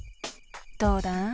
どうだ？